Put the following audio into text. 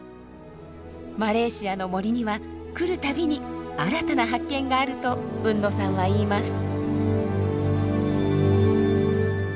マレーシアの森には来るたびに新たな発見があると海野さんは言います。